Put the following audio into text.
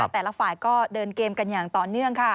แต่ละฝ่ายก็เดินเกมกันอย่างต่อเนื่องค่ะ